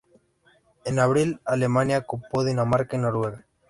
En abril, Alemania ocupó Dinamarca y Noruega.